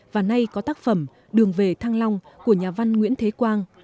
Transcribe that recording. và nay có tác phẩm đường về thăng long của nhà văn nguyễn thế quang